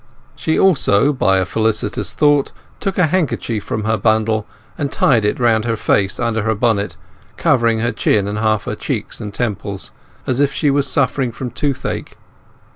She also, by a felicitous thought, took a handkerchief from her bundle and tied it round her face under her bonnet, covering her chin and half her cheeks and temples, as if she were suffering from toothache.